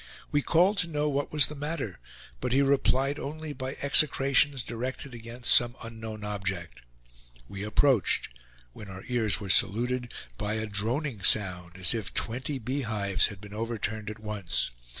We called to know what was the matter; but he replied only by execrations directed against some unknown object. We approached, when our ears were saluted by a droning sound, as if twenty bee hives had been overturned at once.